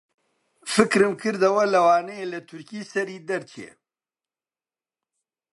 فکرم کردەوە لەوانەیە لە تورکی سەری دەرچێ